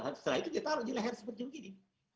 habis itu dia taruh di leher seperti ini